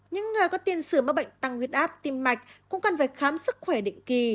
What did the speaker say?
những người có tiền sử mắc bệnh tăng huyết áp tim mạch cũng cần phải khám sức khỏe định kỳ